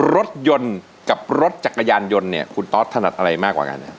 รถยนต์กับรถจักรยานยนต์เนี่ยคุณตอสถนัดอะไรมากกว่ากัน